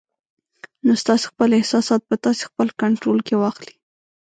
نو ستاسې خپل احساسات به تاسې خپل کنټرول کې واخلي